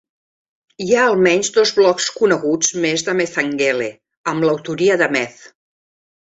Hi ha almenys dos blogs coneguts més de mezangelle amb l'autoria de mez.